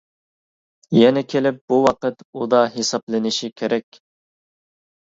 يەنە كېلىپ بۇ ۋاقىت ئۇدا ھېسابلىنىشى كېرەك.